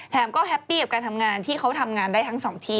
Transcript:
ก็แฮปปี้กับการทำงานที่เขาทำงานได้ทั้งสองที่